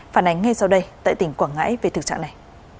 phản ánh ngay sau đây tại tỉnh quảng ngãi về thực trạng này